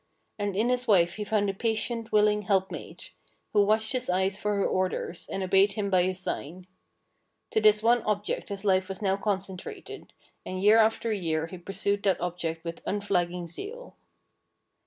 And in his wife he found a patient, willing helpmate, who watched his eyes for her orders, and obeyed him by a sign. To this one object his life was now concentrated, and year after year he pursued that object with unflagging zeal.